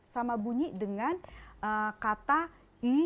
sama bunyi dengan kata i